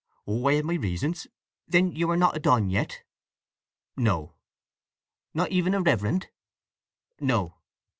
"Oh, I had my reasons… Then you are not a don yet?" "No." "Not even a reverend?" "No."